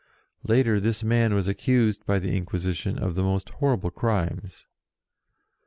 Later this man was accused by the Inquisition of the most horrible crimes.